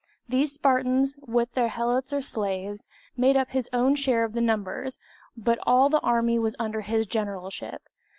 These Spartans, with their helots or slaves, made up his own share of the numbers, but all the army was under his generalship.